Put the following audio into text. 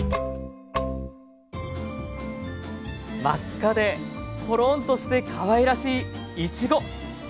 真っ赤でコロンとしてかわいらしいいちご。